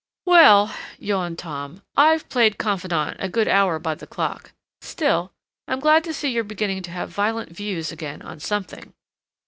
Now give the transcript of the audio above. "Well," yawned Tom, "I've played confidant a good hour by the clock. Still, I'm glad to see you're beginning to have violent views again on something."